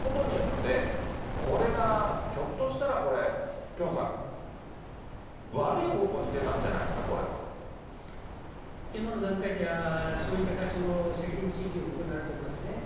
つまりこの検察改革やったことによって、これがひょっとしたら、これ、ピョンさん、悪い方向に出たんじゃないですか、今の段階では、そういう形の責任追及も行われておりますね。